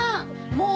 もう！